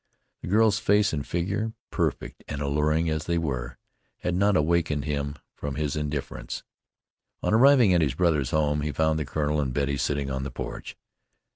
The girl's face and figure, perfect and alluring as they were, had not awakened him from his indifference. On arriving at his brother's home, he found the colonel and Betty sitting on the porch.